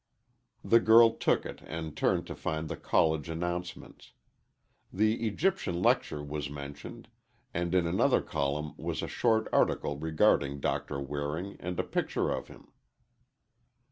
The girl took it and turned to find the College announcements. The Egyptian Lecture was mentioned, and in another column was a short article regarding Doctor Waring and a picture of him.